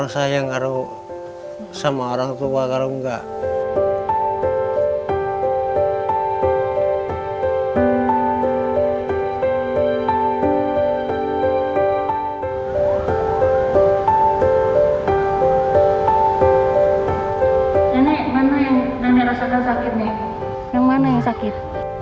sayang aruh sama orang tua kalau enggak ini mana yang rasakan sakitnya yang mana yang sakit